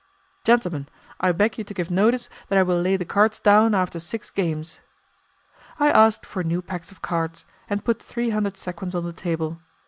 "Gentlemen, I beg you to give notice that I will lay the cards down after six games." I asked for new packs of cards, and put three hundred sequins on the table.